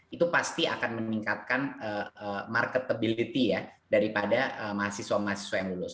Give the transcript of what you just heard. itu pasti akan meningkatkan marketability ya daripada mahasiswa mahasiswa yang lulus